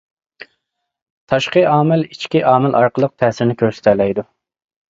تاشقى ئامىل ئىچكى ئامىل ئارقىلىق تەسىرىنى كۆرسىتەلەيدۇ.